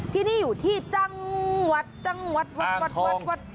ที่นี่อยู่ที่จังหวัดจังหวัดจังหวัดจังหวัด